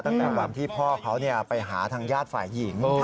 ตั้งแต่วันที่พ่อเขาไปหาทางญาติฝ่ายหญิง